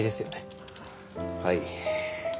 はい。